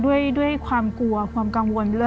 ด้วยความกลัวความกังวล